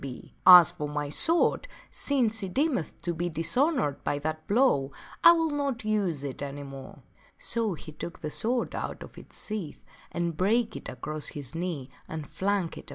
b ^ e d thhis As for my sword, since she deemeth it to be dishonored by that blow, I will not use it any more," So he took the sword out of sheath and brake it across his knee and flung it away.